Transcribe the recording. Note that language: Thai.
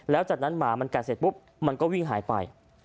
แล้วจากนั้นหมามันกัดเสร็จปุ๊บมันก็วิ่งหายไป